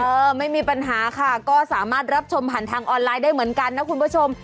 ไม่มีปัญหาค่ะก็สามารถรับชมผ่านทางออนไลน์ได้เหมือนกันนะคุณผู้ชม